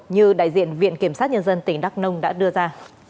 như đại diện viện kiểm sát nhân dân tỉnh đắk nông đã đưa ra